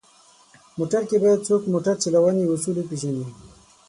موټر کې باید څوک موټر چلونې اصول وپېژني.